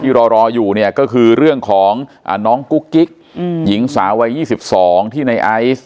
รออยู่เนี่ยก็คือเรื่องของน้องกุ๊กกิ๊กหญิงสาววัย๒๒ที่ในไอซ์